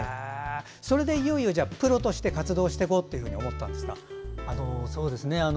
それでいよいよプロとして活動していこうと思ったんですか？